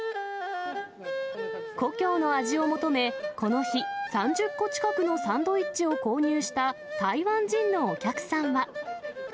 故郷の味を求め、この日、３０個近くのサンドイッチを購入した台湾人のお客さんは。